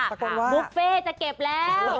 บุฟเฟ่จะเก็บแล้ว